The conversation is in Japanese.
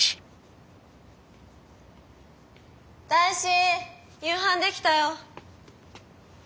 大志夕飯できたよ。